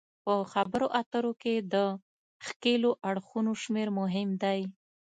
په خبرو اترو کې د ښکیلو اړخونو شمیر مهم دی